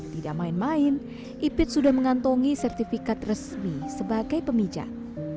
tidak main main ipit sudah mengantongi sertifikat resmi sebagai pemijat